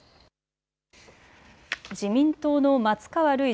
自民党の松川るい